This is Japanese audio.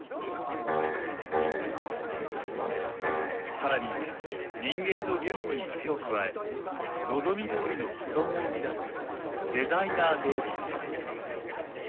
更に人間のゲノムに手を加え望みどおりの子供を生み出すデザイナーベビー。